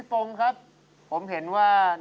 กับพอรู้ดวงชะตาของเขาแล้วนะครับ